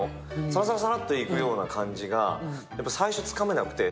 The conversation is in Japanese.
さらさらさらっといくような感じが最初はつかめなくて。